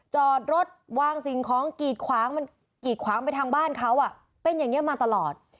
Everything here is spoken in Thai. จอดรถวางสิ่งของกีดขวางมันกีดขวางไปทางบ้านเขาเป็นอย่างนี้มาตลอด